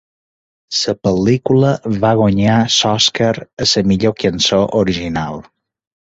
La pel·lícula va guanyar l'Oscar a la millor cançó original.